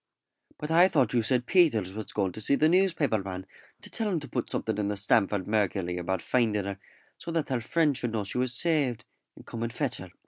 "But I thought you said Peters was going to see the newspaper man to tell him to put something in the Stamford Mercury about finding her, so that her friends should know she was saved, and come and fetch her."